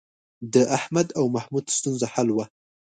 د احمد او محمود ستونزه حل وه.